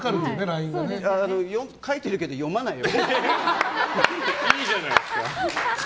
あの書いてるけど読まないよ？